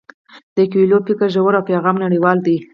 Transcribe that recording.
د کویلیو فکر ژور او پیغام یې نړیوال دی.